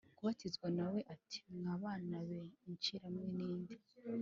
Kubatizwa na we ati mwa bana b incira mwe ni nde